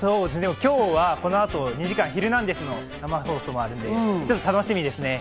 今日はこの後２時間『ヒルナンデス！』の生放送があるので楽しみです。